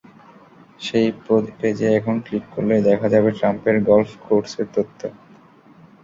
সেই পেজে এখন ক্লিক করলেই দেখা যাবে ট্রাম্পের গলফ কোর্সের তথ্য।